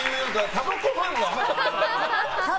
たばこファンが。